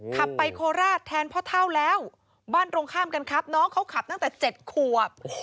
ขับไปโคราชแทนพ่อเท่าแล้วบ้านตรงข้ามกันครับน้องเขาขับตั้งแต่๗ขวบ